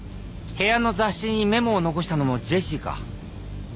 部屋の雑誌にメモを残したのもジェシーか。